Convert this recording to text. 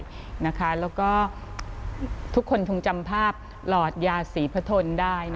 แล้วก็ทุกคนคงจำภาพหลอดยาศรีพระทนได้